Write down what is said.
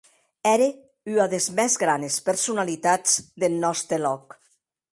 Ère ua des mès granes personalitats deth nòste lòc.